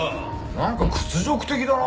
なんか屈辱的だな！